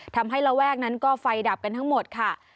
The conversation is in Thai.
ระแวกนั้นก็ไฟดับกันทั้งหมดค่ะ